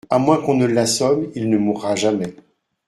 À moins qu’on ne l’assomme, il ne mourra jamais.